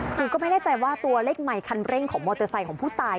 คือก็ไม่แน่ใจว่าตัวเลขใหม่คันเร่งของมอเตอร์ไซค์ของผู้ตาย